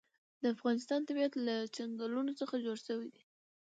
د افغانستان طبیعت له چنګلونه څخه جوړ شوی دی.